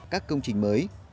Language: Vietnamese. các công trình mới